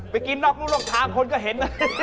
ไปกินนอกโน้ททางคนก็เห็น